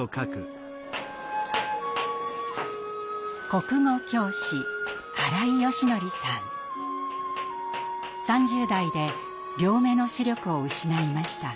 国語教師３０代で両目の視力を失いました。